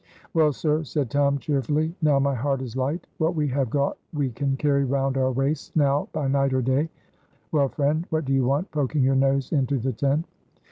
"Well, sir," said Tom, cheerfully, "now my heart is light; what we have got we can carry round our waists now by night or day. Well, friend, what do you want, poking your nose into the tent?"